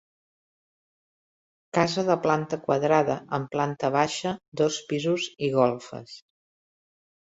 Casa de planta quadrada amb planta baixa, dos pisos i golfes.